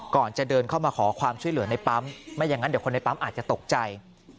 ก่อนจะเดินเข้ามาขอความช่วยเหลือในปั๊มไม่อย่างนั้นเดี๋ยวคนในปั๊มอาจจะตกใจ